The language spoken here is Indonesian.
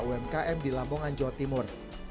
umkm di lamongan jawa timur